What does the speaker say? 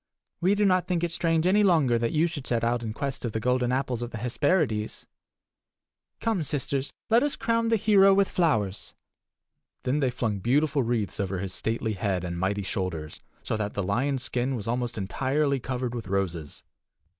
We do not think it strange any longer that you should set out in quest of the golden apples of the Hesperides. Come, sisters, let us crown the hero with flowers!" Then they flung beautiful wreaths over his stately head and mighty shoulders, so that the lion's skin was almost entirely covered with roses.